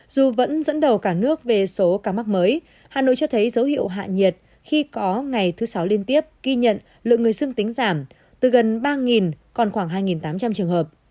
dù vẫn dẫn đầu cả nước về số ca mắc mới hà nội cho thấy dấu hiệu hạ nhiệt khi có ngày thứ sáu liên tiếp ghi nhận lượng người dương tính giảm từ gần ba còn khoảng hai tám trăm linh trường hợp